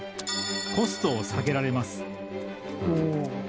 コストを下げられます。